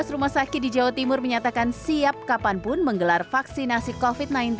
lima belas rumah sakit di jawa timur menyatakan siap kapanpun menggelar vaksinasi covid sembilan belas